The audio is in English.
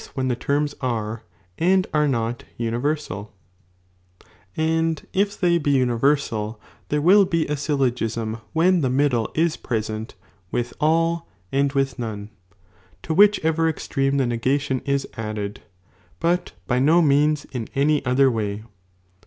'"""^'^^^ when the terms are, and are not, univei sal,' and if they be universal there will be a syllogism when the middle is present with all and with none, to which ever extreme the negation is added,^ hut by no means in any other way.